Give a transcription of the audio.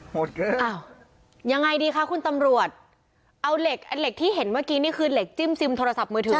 หมดเลยอ้าวยังไงดีคะคุณตำรวจเอาเหล็กเหล็กที่เห็นเมื่อกี้นี่คือเหล็กจิ้มซิมโทรศัพท์มือถือ